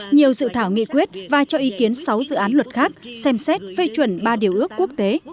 nhiều dự thảo nghị quyết và cho ý kiến sáu dự án luật khác xem xét phê chuẩn ba điều ước quốc tế